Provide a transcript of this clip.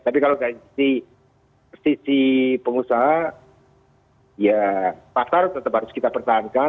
tapi kalau dari sisi pengusaha ya pasar tetap harus kita pertahankan